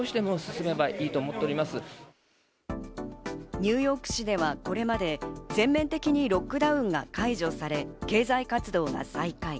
ニューヨーク市では、これまで全面的にロックダウンが解除され、経済活動が再開。